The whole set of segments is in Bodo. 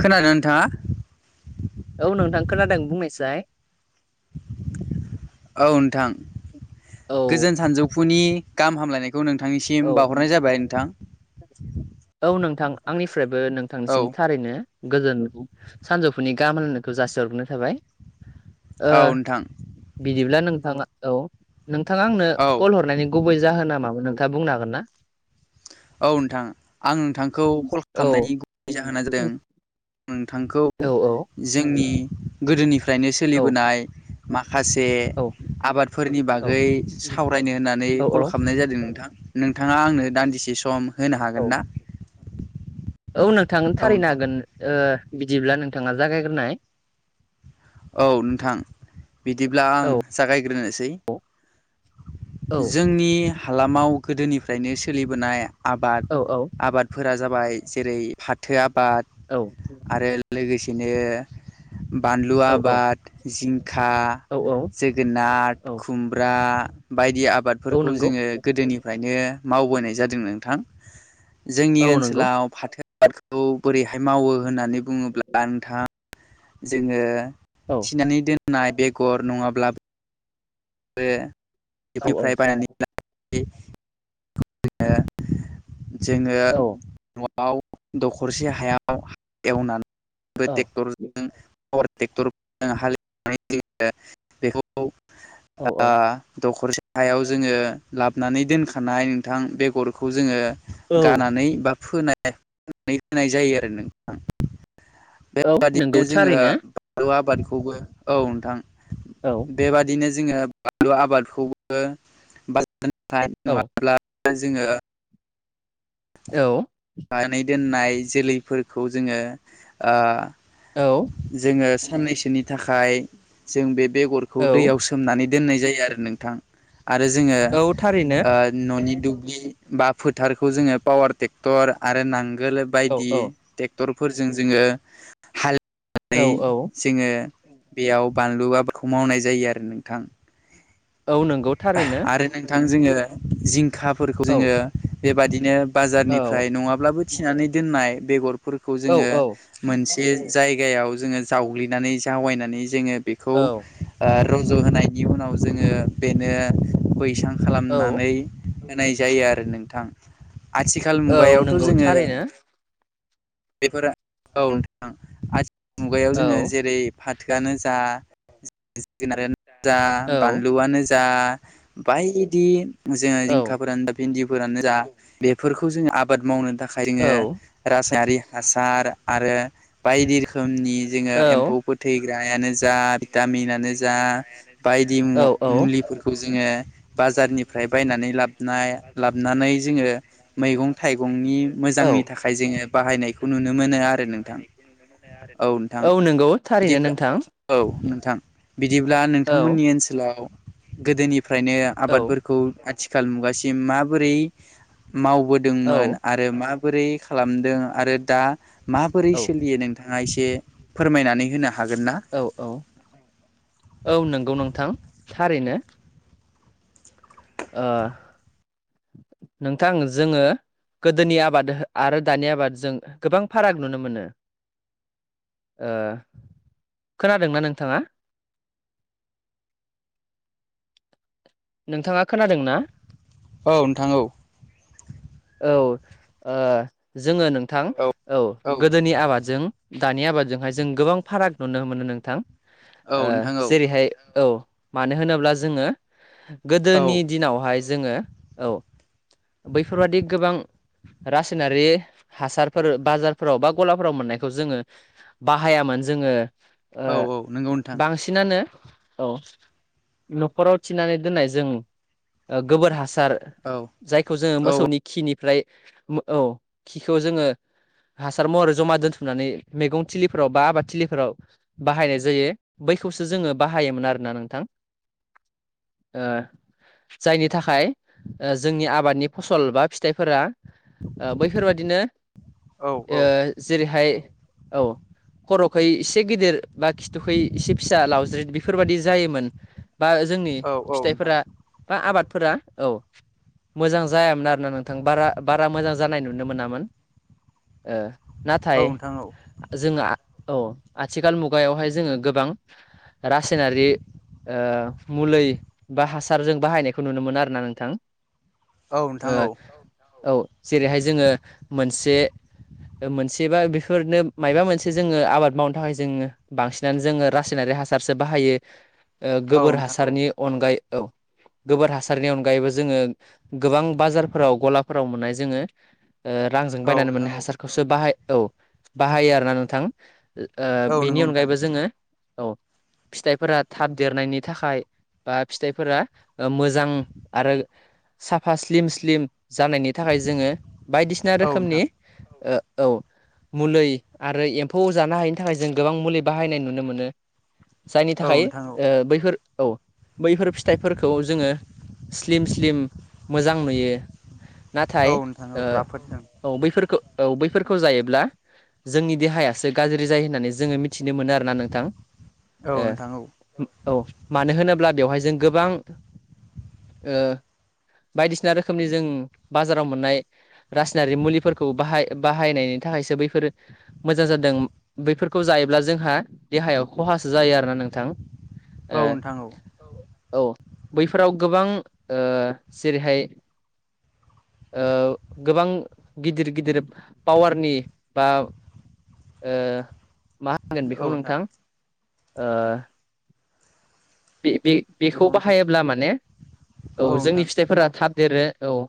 खोनादों नोंथाङा? औ नोंथां खोनादों बुंनायसाय औ नोंथां औ गोजोन सानजौफुनि गाहाम हामलायनायखौ नों औ थांनिसिम बावहरनाय जाबाय नोंथां औ नोंथां आंनिफ्रायबो औ नोंथांनिसिम थारैनो गोजोन सानजौफुनि गाहामालायनायखौ जासिहरग्रोननाय थाबाय ओ औ नोंथां बिदिब्ला नोंथाङा औ नोंथाङा आंनो औ कल हरनायनि गुबै जाहोना मामोन नोंथाङा बुंनो हागोन ना? औ नोंथां आं नोंथांखौ कल औ खालामनायनि गुबै जाहोना जादों नोंथांखौ औ जोंनि गोदोनिफ्रायनो सोलिबोनाय खासे औ आबादफोरनि औ बागै सावरायनो होननानै औ कल खालामनाय जादों नोंथां नोंथाङा आंनो दान्दिसे सम होनो औ हागोन ना? नोंथांनो औ थारैनो नोंथां हागोन ओ बिदिब्ला नोंथाङा जागायग्रोनाय औ नोंथां बिदिब्ला आं औ जागायग्रोनोसै औ जोंनि हालामाव गोदोनिफ्रायनो सोलिबोनाय आबाद औ औ आबादफोरा जाबाय जेरै फाथो आबाद औ आरो लोगोसेनो बानलु औ आबाद, जिंखा, औ जोगोनार, औ खुमब्रा बायदि औ आबादफोरखौ नंगौ जोङो गोदोनिफ्रायनो मावबोनाय जादों नोंथां। जोंनि औ नंगौ ओनसोलाव फाथो आबादखौ बोरैहाय मावो होननानै बुङोब्ला नोंथाङा जोङो औ थिनानै दोननाय बेगर नङाब्ला बे औ औ। बे [unintelligible] जोङो औ जोङो न' आव दखरसे हायाव एवनानै ट्रेक्टरजों पावार ट्रेक्टरजों हालेवनानै जोङो बेखौ औ ओ औ दखरसे गाहायाव जोङो लाबोनानै दोनखानाय नोंथां बेगरखौ जोङो औ गानानै बा फोनानै होनाय जायो आरो नोंथां। औ नंगौ बेबादिनो जोङो थारैनो बानलु आबाद खौबो औ नोंथां औ बेबादिनो जोङो बानलु आबादखौबो [unintelligible] औ नङाब्ला जोङो औ। नानै दोननाय जोलैफोरखौ जोङो ओ औ जोङो साननैसोनि थाखाय जों बे बेगरखौ औ दैयाव सोमनानै दोननाय जायो आरो नोंथां। आरो जोङो औ थारैनो ओ न'नि दुब्लि बा फोथारखौ जोङो पावार टेक क्टर आरो नांगोल औ बायदि औ ट्रेक्टरफोरजों जोङो हा औ लेवनानै औ जोङो बेयाव बानलु आबादखौ मावनाय जायो आरो नोंथां। औ नंगौ थारैनो। आरो नोंथां जोङो जिंखाफोरखौ औ जोङो बेबादिनो औ बाजारनिफ्राय नङाब्लाबो थिनानै दोननाय बेगरफोरखौ जोङो मोनसे बे जायगायाव जोङो जावग्लिनानै जावायनानै जोङो बेखौ औ ओ रज' होनायनि उनाव जोङो बेनो बैसां खालामनानै होनाय जायो आरो नोंथां। आथिखाल औ औ मुगायावथ' नंगौ जोङो थारैनो बेफोर औ नोंथां आथिखाल मुगायाव औ जोङो जेरै बा फाथोआनो जा जोगोनारानो जा बानलुआनो जा दा बायदि जोङो औ जिंखाफोरानो दा भिन्दि फोरानो जा बेफोरखौ जोङो आबाद मावनो थाखाय औ जोङो रासायारि हासार आरो बायदि रोखोमनि जोङो औ एम्फौ फोथैग्रायानो जा जोंनि भिटामिनानो जा बायदि मु-मुलिफोरखौ जोङो बाजारनिफ्राय बायनानै लाबोनाय लाबनानै जोङो मैगं थाइगंनि मोजांनि थाखाय जोङो बाहायनाय खौ नुनो मोनो आरो नोंथां। औ नोंथां औ नंगौ थारैनो बिदिब्ला नोंथां औ नोंथां बिदिब्ला नोंथांमोन औ नि ओनसोलाव गोदोनिफ्रायनो औ आबादफोरखौ आथिखाल मुगासिम माबोरै मावबोदोंमोन औ आरो माबोरै खालामदों आरो दा माबोरै औ सोलियो नों थाङा एसे फोरमायनानै होनो हा औ औ औ नंगौ नोंथां थारैनो। ओ नोंथां जोङो गोदोनि आबाद आरो दानि आबादजों गोबां फाराग नुनो मोनो। ओ खोनादोंना नोंथाङा? नोंथाङा खोनादों ना? औ नोंथां औ। औ ओ जोङो नोंथां औ गोदोनि आबादजों दानि आबादजोंहाय जों गोबां फाराग नुनो मोनो नोंथां ओ नोंथां औ जेरैहाय औ मानो होनोब्ला जोङो औ गोदोनि दिनावहाय जोङो औ बेफोरबादि गोबां रासायनारि हासारफोर बाजारफोराव बा गलाफोराव मोननायखौ जोङो बाहायामोन। जोङो ओ औ औ नंगौ नोंथां बांसिनानो औ न'खराव थिनानै दोननाय जों ओ गोबोर हास सार औ जायखौ जोङो औ मोसौनि खिनिफ्राय औ खिखौ जोङो हासार महरै जमा दोनथुमनानै मैगं थिलिफोराव बा आबाद थिलिफोराव बाहायनाय जायो बै बेखौसो जोङो बाहायोमोन आरोना नोंथां। [inaudible] ओ जायनि थाखाय ओ जोंनि आबादनि फसल बा फिथाइफोरा ओ बैफोरबायदिनो औ ओ जेरैहाय औ खर'खौ एसे गिदिर बा खिथुखै एसे फिसा लावज्रिद बेफोरबादि जायोमोन बा जोंनि नोंथां फिथाइफोरा बा आबाद फोरा औ मोजां जायामोन आरोना नोंथां बारा बारा मोजां जानाय नुनो मोनामोन ओ। औ नाथाय नोंथां औ जोङो औ आथिखाल मुगायावहाय जोङो गोबां रासायनारि ओ मुलै बा हासारजों बाहायनायखौ नुनो मोनो आरो ना नोंथां। औ ओ नोंथां औ औ जेरैहाय जोङो मोनसे ओ मोनसे बा बेफोरनो मायबा मोनसे जोङो आबाद मावनो थाखाय जोङो बांसिनानो जोङो रासायनारि हासारसो बाहायो। ओ औ गोबोर नोंथां औ हासारनि अनगायै औ गोबोर हासारनि अनगायैबो जोङो गोबां बाजारफोराव गलाफोराव मोननाय जोङो ओ रांजों औ बायनानै नोंथां मोननाय औ हासारखौसो बाहाय औ बाहायो आरोना नोंथां। ओ औ बेनि नंगौ नोंथां अनगायैबो जोङो औ फिथाइफोरा थाब देरनायनि थाखाय बा फिथाइफोरा ओ मोजां आरो साफा स्लिम स्लिम जानायनि थाखाय जोङो बायदिसिना औ रोखोमनि नोंथां ओ औ मुलै आरो एम्फौ जानो हायिनि थाखाय जों गोबां मुलि बाहायनाय नुनो मोनो। जायनि औ थाखाय नोंथां औ ओ बैफोर औ बैफोर फिथाइफोरखौ जोङो स्लिम स्लिम मोजां नुयो। नाथाय औ नोंथां औ ओ राफोद औ बैफोरखौ औ बैफोरखौ जायोब्ला जोंनि देहायासो गाज्रि जायो होननानै जोङो मिथि थिनोमोनो आरोना नोंथां औ ओ नोंथां औ औ मानो होनोब्ला बेवहाय जों गोबां ओ बायदिसिना रोखोमनि जों बाजाराव मोननाय रासायनारि मुलिफोरखौ बाहाय-बाहायनाय नि थाखायसो बैफोरो मोजां जादों बैफोरखौ जायोब्ला जोंहा देहायाव खहासो जायो आरो। ना नोंथां? औ नोंथां औ। औ बैफोराव गोबां ओ जेरैहाय ओ गोबां गिदिर गिदिर पावारनि बा ओ मा होनगोन बेखौ नोंथां ओ बे-बे-बेखौ बेखौ नोंथां बाहायोब्ला माने औ जोंनि फिथाइफोरा थाब देरो औ।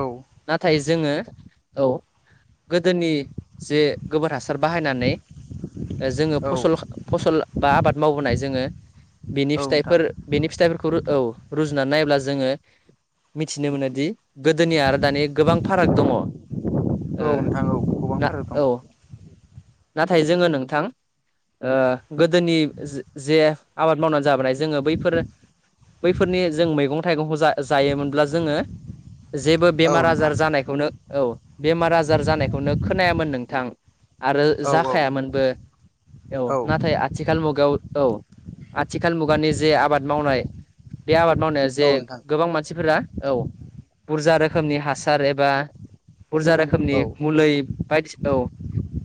औ नाथाय जोङो औ गोदोनि जे गोबोर हासा सार बाहायनानै ओ जोङो औ फसल फसल बा आबाद मावबोनाय जोङो बेनि नोंथां फिथाइफोर बेनि फिथाइफोरखौ औ रुजुनानै नायोब्ला जोङो मिथिनो मोनोदि गोदोनिया आरो दानि गोबां फाराग दङ ओ औ नोंथां औ गोबां ना फाराग दं औ नाथाय जोङो नोंथां ओ गोदोनि जे आबाद मावनानै जाबोनाय जोङो बैफोर बैफोरनि जों मैगं थाइगंखौ जाय जायोमोनब्ला जोङो जेबो औ बेमार आजार नोंथां जानायखौनो औ बेमार आजार जानायखौनो खोनायामोन नोंथां। आरो औ जाखायामोनबो औ नाथाय आथिखाल मुगायाव औ आथिखाल मुगानि जे आबाद मावनाय बे आबाद मावनायाव जे नोंथां गोबां मानसिफोरा औ बुरजा रोखोमनि हासार एबा बुरजा रोखोमनि औ मुलै बायदि औ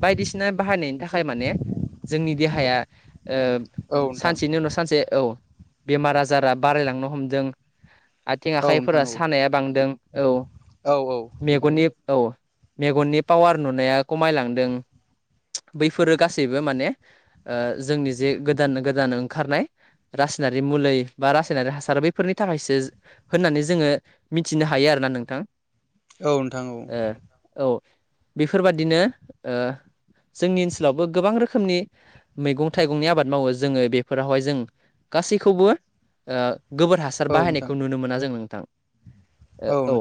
बायदिसिना बाहायनायनि थाखाय माने जोंनि देहाया ओ औ नोंथां सानसेनि उनाव सानसे औ बेमार आजारा बारायलांनो हमदों आथिं औ नोंथां आखाइफोरा औ सानाया बांदों औ औ औ मेगननि औ मेगननि पावार नुनाया खमायलांदों। [inaudible] बैफोरो गासैबो माने जोंनि जे गोदान गोदान ओंखारनाय रासायनारि मुलै बा रासायनारि हासार बैफोरनि थाखायसो होननानै जोङो मिथिनो हायो आरो। खोना नोंथां औ नोंथां औ ओ औ बेफोरबादिनो ओ जोंनि ओनसोलावबो गोबां रोखोमनि मैगं थाइगंनि आबाद मावो जोङो बेफोरावहाय जों गासैखौबो ओ गोबोर हासार औ नोंथां औ नोंथां औ नोंथां बाहायनायखौ नुनो मोना जों नोंथां औ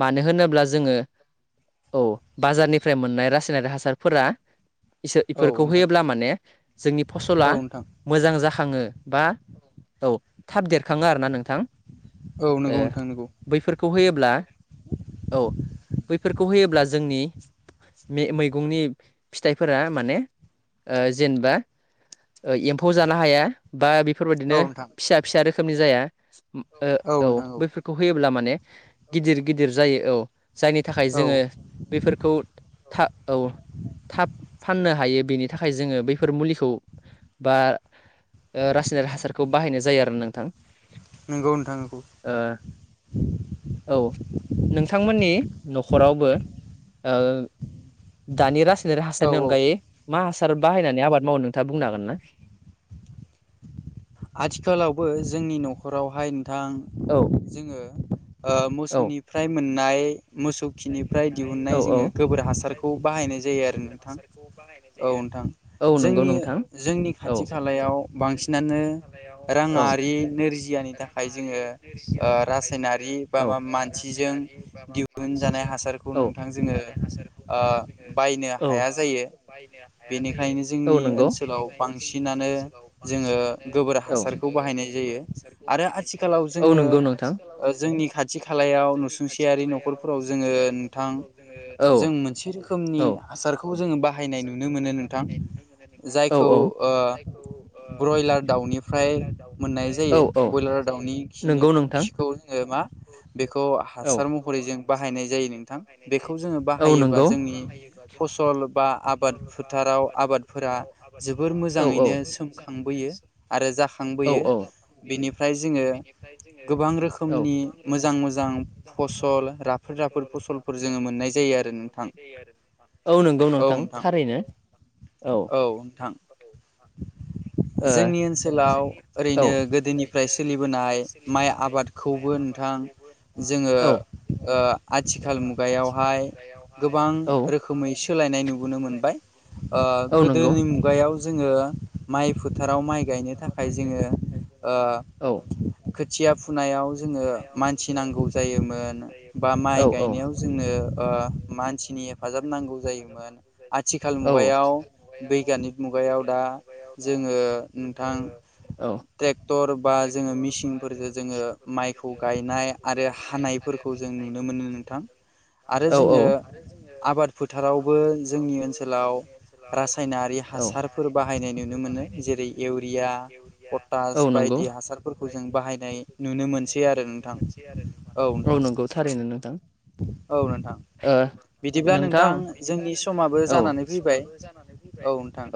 मानो होनो ब्ला जोङो औ बाजारनिफ्राय मोननाय रासायनारि हासारफोरा इसोर इफोरखौ होयोब्ला माने जोंनि फसला मोजां जाख खाङो बा औ थाब देरखाङो आरो ना नोंथां औ नंगौ नोंथां नंगौ बैफोरखौ होयोब्ला औ बैफोरखौ होयोब्ला जोंनि मैगंनि फिथाइफोरा माने ओ जेनेबा एम्फौ जानो हाया बा बेफोरबायदिनो औ नोंथां फिसा फिसा रोखोमनि जाया औ बैफोरखौ हो ब्ला माने गिदिर गिदिर जायो औ जायनि थाखाय औ जोङो बेफोरखौ था औ थाब फाननो हायो बेनि थाखाय जोङो बैफोर मुलिखौ बा ओ रासायनारि हासारखौ बाहायनाय जायो आरो नोंथां। नंगौ नोंथां नंगौ औ नोंथांमोननि न'खरावबो ओ दानि रासायनारि औ हासारनि औ अनगायै मा हासार हासार बाहायनानै आबाद मावनो नोंथाङा बुंनो हागोन ना? आथिखालावबो जोंनि न'खरावहाय नोंथां औ जोङो ओ औ मोसौनिफ्राय मोननाय मोसौ खिनिफ्राय औ दिहुननाय औ जोङो गोबोर हासारखौ बाहायनाय जायो आरो नोंथां औ आरो औ नोंथां। नंगौ जोंनि नोंथां जोंनि औ खाथि खालायाव बांसिनानो औ राङारि नोरजियानि थाखाय जोङो ओ रासायनारि बा मा मानसि रासायनारि बाबा मा नोंथां जोङो ओ बायनो औ हाया जायो बेनिखायनो औ औ जोंनि नंगौ ओनसोलाव बेनिखायनो जोंनि बांसिनानो ओनसोलाव जोङो बांसिनानो गोबोर हासारखौ बाहायनाय गोबोर जायो हासारखौ आरो बाहायनाय जायो आथिखालाव औ जोङो नंगौ नोंथां ओ जोंनि खाथि नुसुंसेयारि न'खरफोराव जों जोङो नोंथां जों मोनसे रोखोमनि हासारखौ जोङो बाहायनाय नुनो मोनो नोंथां। जायखौ ओ ब्रयलार दाउ दाउनिफ्राय मोननाय जायो ब्रयलार दाउनि जायो खिनि खिखौ जोङो मा बेखौ हासार महरै जों बाहायनाय जायो नोंथां। बेखौ जोङो बाहायोबा नोंथां जोंनि फसल बा आबाद फोथाराव आब आबादफोरा जोबोर मोजाङैनो सोमखांबोयो समायना आरो जाखांबोयो बिनिफ्राय जोङो गोबां रोखोमनि मोजां मोजां फसल राफोद राफोद फसलफोर जोङो मोननाय जायो आरो नोंथां। औ नंगौ नोंथां थारैनो। औ नोंथां। ओ जोंनि ओनसोलाव ओरैनो गोदोनिफ्राय सोलिबोनाय माइ आबादखौबो नोंथां जोङो ओ आथिखाल मुगायावहाय गोबां औ रोखोमै सोलायनाय नुबोनो मोनबाय ओ ओ गोदोनि मुगायाव जोङो माइ फोथाराव माइ गायनो थाखाय जोङो ओ, खोथिया फुनायाव जोङो। मानसि नांगौ जायोमोन बा औ माइ गायनायाव जोंनो ओ मानसिनि हेफाजाब नांगौ नांगौ जायोमोन आथिखाल औ मुगायाव बैज्ञानिक मुगायाव दा जोङो नोंथां औ ट्रेक्टर बा जोङो मेसिनफोरजों जोङो माइखौ गायनाय आरो हानायफोरखौ जों नुनो मोनो नोंथां, आरो जोङो मोनो आबाद फोथारावबो जोंनि ओनसोलाव रासायनारि हासारफोर बाहायनाय नुनो मोनो। जेरै- इउरिया, पटास औ बायदि हासारफोरखौ जों बाहायनाय नुनो मोनसै आरो नोंथां। औ नंगौ थारैनो। औ नोंथां। बिदिब्ला ओ नोंथां बिदिबा जोंनि नोंथां समाबो औ जानानै फैबाय समाबो जानानै फैबाय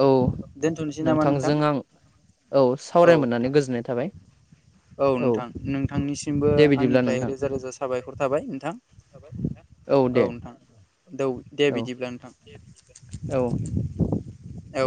औ दोनथनसै नामा नोंथां? जों आं औ सावराय औ मोननानै नोंथां गोजोननाय थाबाय। औ नोंथां। नोंथांनिसिमबो दे बिदिब्ला आंनिफ्राय नोंथां रोजा रोजा साबायखर थाबाय नोंथां। औ नोंथां, दौ दे औ बिदिब्ला नोंथां। औ औ